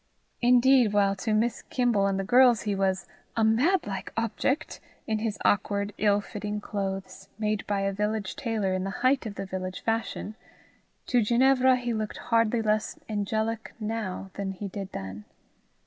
Indeed, while to Miss Kimble and the girls he was "a mad like object" in his awkward ill fitting clothes, made by a village tailor in the height of the village fashion, to Ginevra he looked hardly less angelic now than he did then.